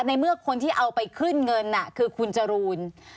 ในเมื่อคนที่เอาไปขึ้นเงินคือคุณจรูน